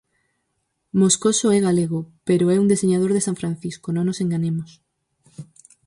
Moscoso é galego, pero é un deseñador de San Francisco, non nos enganemos.